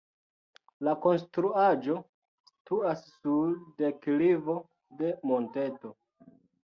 La konstruaĵo situas sur deklivo de monteto.